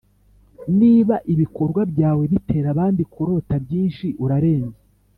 niba ibikorwa byawe bitera abandi kurota byinshi urarenze